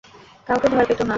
কাউকে ভয় পেত না।